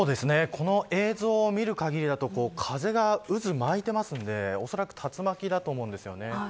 この映像を見る限りだと風が渦を巻いていますのでおそらく竜巻だと思うんです。